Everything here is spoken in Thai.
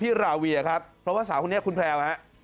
พี่ลาวีฮะครับเพราะว่าสาวคนนี้คุณแพวครับ